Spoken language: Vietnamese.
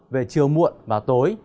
về chiều muộn và tối